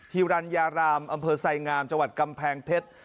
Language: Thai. ฮิรัญญารามอำเภอไสงามจังหวัดกำแพงเพชร